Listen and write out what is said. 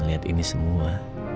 lihat ini semua